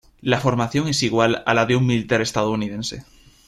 La formación es igual a la de un militar estadounidense.